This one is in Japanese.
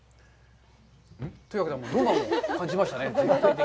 というわけで、浪漫を感じましたね。